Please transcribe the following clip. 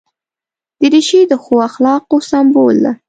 دریشي د ښو اخلاقو سمبول ده.